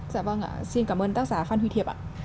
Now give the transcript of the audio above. dạ vâng ạ xin cảm ơn tác giả phan huy thiệp ạ